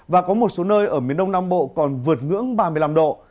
và có một số nơi ở miền đông nam bộ còn vượt ngưỡng ba mươi năm độ